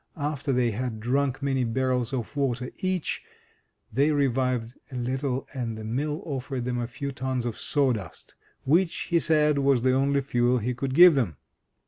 After they had drunk many barrels of water each, they revived a little, and the mill offered them a few tons of sawdust, which, he said, was the only fuel he could give them.